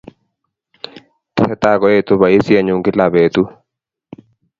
Tesetai koetu poisyennyu kila petut